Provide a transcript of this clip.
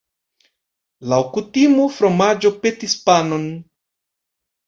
Laŭ kutimo, fromaĝo petis panon.